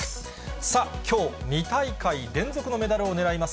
さあ、きょう、２大会連続のメダルをねらいます